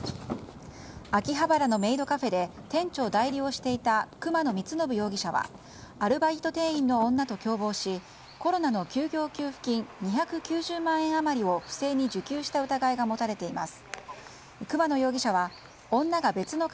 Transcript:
秋葉原のメイドカフェで店長代理をしていた熊野光伸容疑者はアルバイト店員の女と共謀しコロナの休業給付金２９０万円余りを不正に受給した疑いが持たれています。